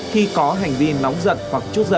khi có hành vi nóng giận hoặc chút giận